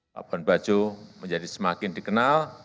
labuan bajo menjadi semakin dikenal